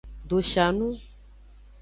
Doshanu.